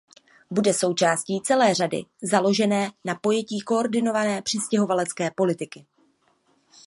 Bude součástí celé řady založené na pojetí koordinované přistěhovalecké politiky.